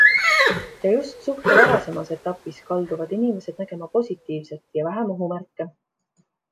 Ja just suhte varasemas etapis kalduvad inimesed nägema positiivset ja vähem ohumärke.